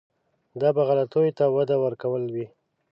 دا به غلطیو ته وده ورکول وي.